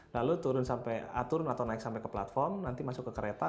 lalu turun sampai atur atau naik sampai ke platform nanti masuk ke kereta